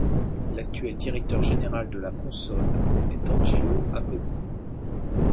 L’actuel directeur général de la Consob est Angelo Apponi.